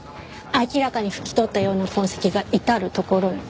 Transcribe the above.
明らかに拭き取ったような痕跡が至る所に。